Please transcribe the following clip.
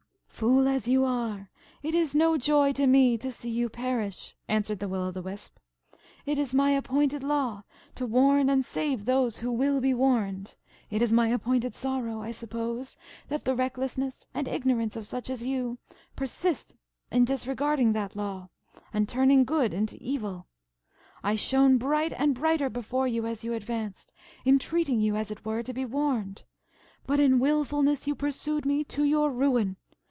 "Fool as you are, it is no joy to me to see you perish," answered the Will o' the Wisp. "It is my appointed law to warn and save those who will be warned. It is my appointed sorrow, I suppose, that the recklessness and ignorance of such as you, persist in disregarding that law, and turning good into evil. I shone bright and brighter before you as you advanced, entreating you, as it were, to be warned. But, in wilfulness, you pursued me to your ruin.